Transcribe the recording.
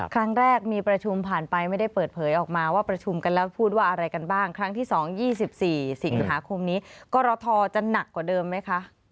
ครั้งที่สอง๒๔สิงหาคมนี้ก็ระทอจะหนักกว่าเดิมไหมคะ